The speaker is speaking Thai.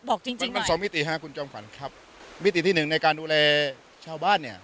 จริงจริงมันสองมิติฮะคุณจอมขวัญครับมิติที่หนึ่งในการดูแลชาวบ้านเนี่ย